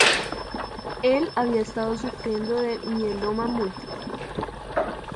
Él había estado sufriendo de mieloma múltiple.